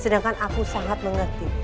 sedangkan aku sangat mengerti